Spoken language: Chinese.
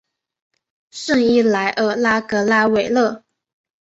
圣伊莱尔拉格拉韦勒。